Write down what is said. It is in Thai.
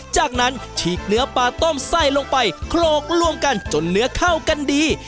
จากนั้นฉีกเนื้อปลาต้มใส่ลงไปโขลกรวมกันจนเนื้อเข้ากันดี